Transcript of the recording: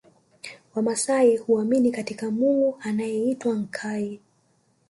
Wamasai huamini katika Mungu anayeitwa Nkai